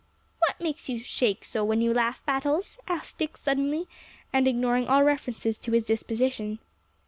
"What makes you shake so when you laugh, Battles?" asked Dick suddenly, and ignoring all references to his disposition.